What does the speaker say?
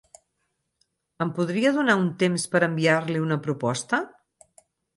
Em podria donar un temps per enviar-li una proposta?